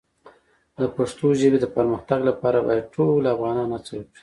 د پښتو ژبې د پرمختګ لپاره باید ټول افغانان هڅه وکړي.